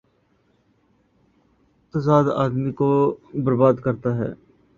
تضاد آ دمی کو بر باد کر تا ہے۔